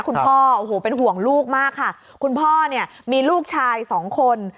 คุณพ่อเป็นห่วงลูกมากค่ะคุณพ่อมีลูกชาย๒คน